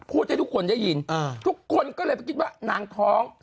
ให้ทุกคนได้ยินทุกคนก็เลยไปคิดว่านางท้อง